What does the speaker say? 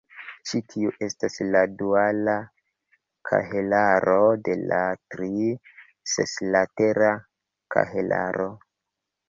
Ĉi tiu estas la duala kahelaro de la tri-seslatera kahelaro.